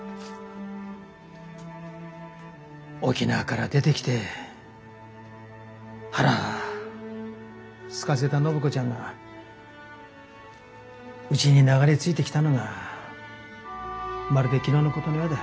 沖縄から出てきて腹すかせた暢子ちゃんがうちに流れ着いてきたのがまるで昨日のことのようだ。